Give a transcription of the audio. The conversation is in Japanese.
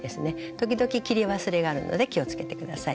時々切り忘れがあるので気をつけて下さい。